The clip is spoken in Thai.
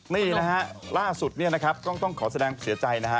นี่นะฮะล่าสุดเนี่ยนะครับต้องขอแสดงเสียใจนะฮะ